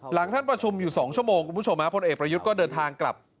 ท่านประชุมอยู่๒ชั่วโมงคุณผู้ชมพลเอกประยุทธ์ก็เดินทางกลับ